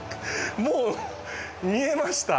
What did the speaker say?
もう見えました。